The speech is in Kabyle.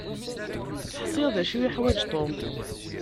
Ḥṣiɣ d acu yeḥwaǧ Tom.